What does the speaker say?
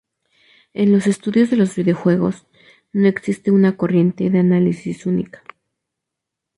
En los estudios de los videojuegos, no existe una corriente de análisis única.